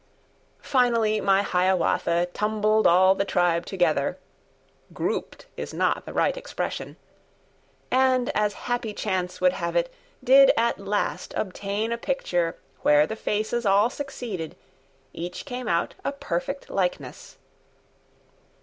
Finally my Hiawatha Tumbled all the tribe together, ('Grouped' is not the right expression), And, as happy chance would have it Did at last obtain a picture Where the faces all succeeded: Each came out a perfect likeness.